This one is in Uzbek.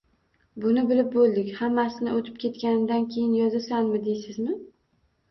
Buni bilib bo‘ldik, hammasi o‘tib ketganidan keyin yozasanmi deysizmi?